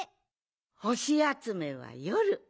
ほしあつめはよる。